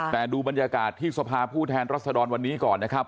แต่ดูบรรยากาศที่สภาผู้แทนรัศดรวันนี้ก่อนนะครับ